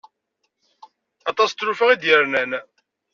Aṭas n tlufa i d-yernan.